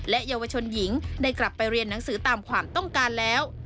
เยาวชนหญิงได้กลับไปเรียนหนังสือตามความต้องการแล้ว